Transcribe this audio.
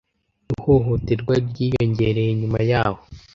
Ihohoterwa ryiyongereye nyuma yaho.